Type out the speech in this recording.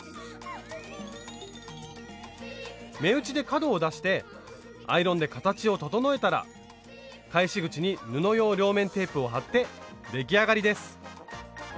目打ちで角を出してアイロンで形を整えたら返し口に布用両面テープを貼って出来上がりです。